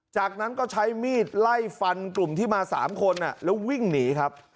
จากนั้นก็ใช้มีดไล่ฟันกลุ่มที่มา๓คนแล้ววิ่งหนีครับ